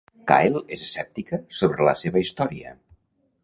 Kyle és escèptica sobre la seva història.